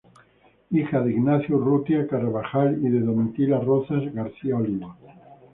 Hijo de Ignacio Urrutia Carvajal y de Domitila Rozas García Olivos.